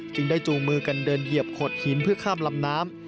จึงได้จูงมือกันเดินเหยียบขดหินเพื่อข้ามลำน้ำ